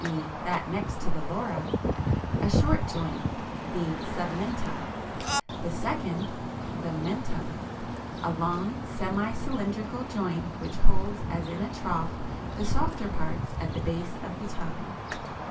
e. that next to the lora) a short joint (the submentum, 20, C), the second (the mentum, 20, D) a long semi cylindrical joint which holds as in a trough the softer parts at the base of the tongue.